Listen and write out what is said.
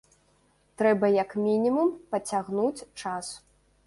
Трэба як мінімум пацягнуць час.